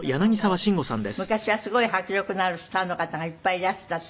昔はすごい迫力のあるスターの方がいっぱいいらしたって。